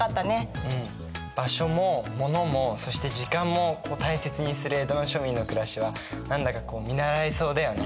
場所もものもそして時間も大切にする江戸の庶民の暮らしは何だかこう見習えそうだよね。